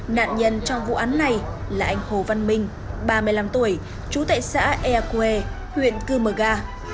nạn nhân trong vụ án này là anh hồ văn minh ba mươi năm tuổi chú tại xã eakue huyện cư mờ ga